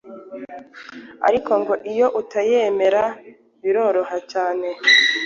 ariko ngo iyo utayemera biroroha cyane